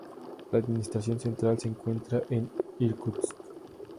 La administración central se encuentra en Irkutsk.